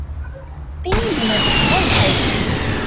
তিনি বিনোদ খান্নার ভাই।